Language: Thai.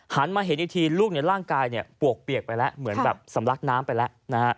มาเห็นอีกทีลูกในร่างกายปวกเปียกไปแล้วเหมือนแบบสำลักน้ำไปแล้วนะฮะ